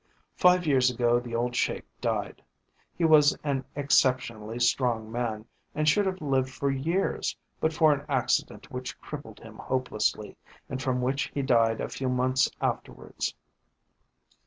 Five years ago the old Sheik died; he was an exceptionally strong man, and should have lived for years but for an accident which crippled him hopelessly and from which he died a few months afterwards.